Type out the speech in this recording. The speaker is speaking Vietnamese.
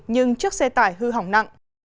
nhưng chiếc xe tải hư hỏng nặng